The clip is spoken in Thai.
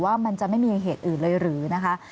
ว่ามันจะไม่มีเหตุอื่นเลยหรือนะคะ